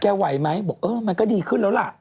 ไหวไหมบอกเออมันก็ดีขึ้นแล้วล่ะ